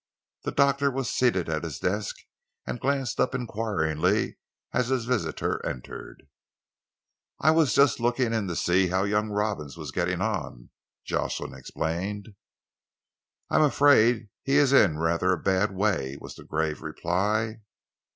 The doctor was seated at his desk and glanced up enquiringly as his visitor entered. "I just looked in to see how young Robins was getting on," Jocelyn explained. "I am afraid he is in rather a bad way," was the grave reply.